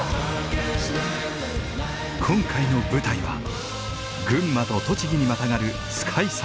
今回の舞台は群馬と栃木にまたがる皇海山。